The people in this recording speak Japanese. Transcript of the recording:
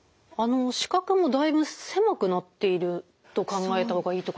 視覚もだいぶ狭くなっていると考えた方がいいってことでしょうか？